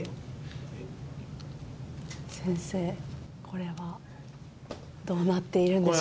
先生、これはどうなっているんでしょうか？